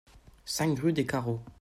cinq rue des Carreaux